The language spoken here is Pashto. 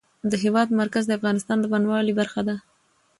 د هېواد مرکز د افغانستان د بڼوالۍ برخه ده.